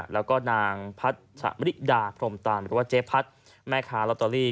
แล้วก็นางพัชมริดาพรมตานหรือว่าเจ๊พัดแม่ค้าลอตเตอรี่